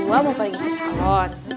gue mau pergi ke salon